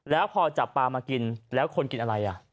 แล้วพอจับปลามากินแล้วคนกินอะไร